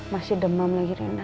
masih demam lagi rena